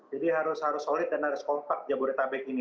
harus solid dan harus kompak jabodetabek ini